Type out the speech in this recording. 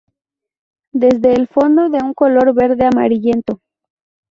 Desde el fondo de un color verde amarillento.